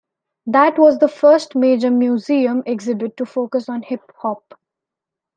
That was the first major museum exhibit to focus on hip-hop.